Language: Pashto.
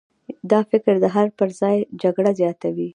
دا فکر د حل پر ځای جګړه زیاتوي.